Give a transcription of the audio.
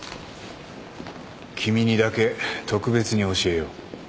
君にだけ特別に教えよう。